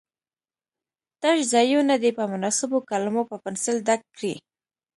تش ځایونه دې په مناسبو کلمو په پنسل ډک کړي.